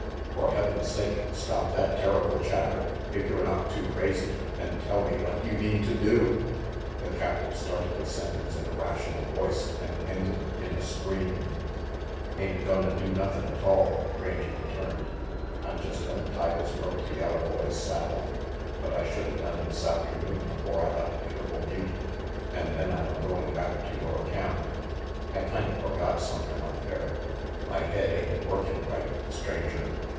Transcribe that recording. "For Heaven's sake, stop that terrible chatter, if you're not too crazy, and tell me what you mean to do." The captive started the sentence in a rational voice and ended it in a scream. 90 RANGY PETE "Ain't gonna do nothin' atoll," Rangy returned. "I'm jest gonna tie this rope to yeller boy's saddle, what I shoulda done this afternoon afore I left Triple Butte, an' then I'm a goin' back to yore camp. I kinda forgot somethin' up there. My head ain't a workin' right, Stranger.